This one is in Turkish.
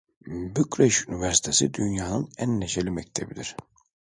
Bükreş Üniversitesi dünyanın en neşeli mektebidir…